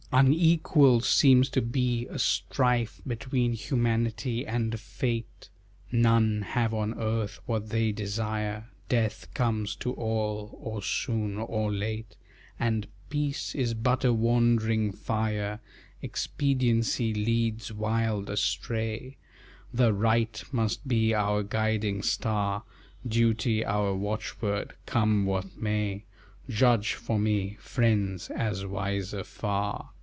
Unequal seems to be a strife, Between Humanity and Fate; None have on earth what they desire; Death comes to all or soon or late; And peace is but a wandering fire; Expediency leads wild astray; The Right must be our guiding star; Duty our watchword, come what may; Judge for me, friends, as wiser far."